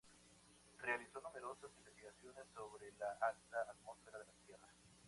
Realizó numerosas investigaciones sobre la alta atmósfera de la Tierra.